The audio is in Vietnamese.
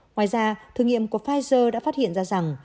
ngoài ra thử nghiệm của pfizer đã phát hiện ra rằng